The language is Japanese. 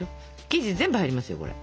生地全部入りますよこれ。